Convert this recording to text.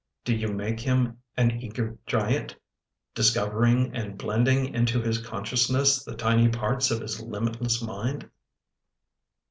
Do you make him an eager giant Discovering and blending into his consciousness The tiny parts of his limitless mind?